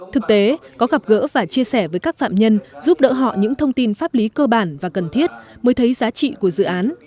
thực tế có gặp gỡ và chia sẻ với các phạm nhân giúp đỡ họ những thông tin pháp lý cơ bản và cần thiết mới thấy giá trị của dự án